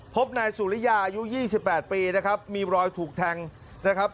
พบนายสุริยาอายุ๒๘ปีนะครับมีรอยถูกแทงนะครับ